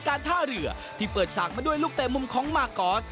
การท่าเหลือที่เปิดชากมาด้วนลูกเต่มมุมของมาเกอร์ส